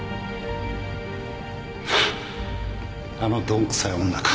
あの鈍くさい女か